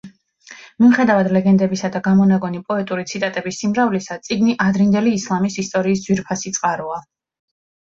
მიუხედავად ლეგენდებისა და გამონაგონი პოეტური ციტატების სიმრავლისა, წიგნი ადრინდელი ისლამის ისტორიის ძვირფასი წყაროა.